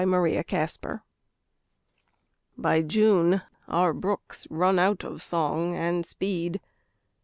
HYLA BROOK By June our brook's run out of song and speed.